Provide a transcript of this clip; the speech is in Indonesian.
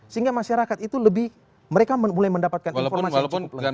sehingga masyarakat itu lebih mereka mulai mendapatkan informasi yang cukup lengkap